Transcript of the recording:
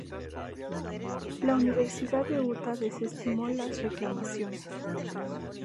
La Universidad de Utah desestimó las reclamaciones.